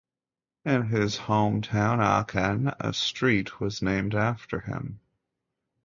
In his home town Aachen a street was named after him.